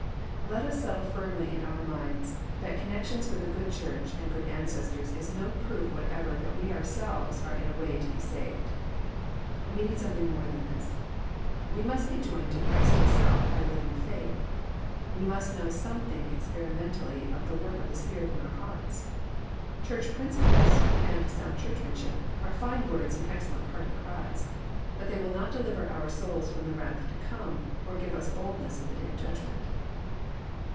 Let us settle firmly in our minds that connection with a good Church and good ancestors is no proof whatever that we ourselves are in a way to be saved. We need something more than this. We must be joined to Christ himself by a living faith. We must know something ex perimentally of the work of the Spirit in our hearts. *' Church principles," and " sound Churchmanship," are fine words and excellent party cries. But they will not deliver our souls from the wrath to come, or give us boldness in the day of judgment.